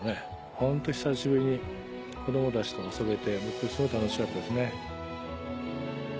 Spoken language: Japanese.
ホント久しぶりに子供たちと遊べてすごい楽しかったですね。